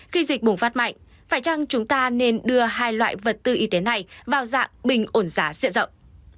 khi dịch bùng phát mạnh phải chăng chúng ta nên đưa hai loại vật tư y tế này vào dạng bình ổn giá diện rộng